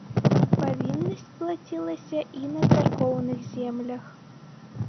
Павіннасць плацілася на і царкоўных землях.